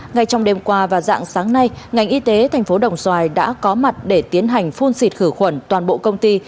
ngay trong đêm qua và dạng sáng nay ngành y tế thành phố đồng xoài đã có mặt để tiến hành phun xịt khử khuẩn toàn bộ công ty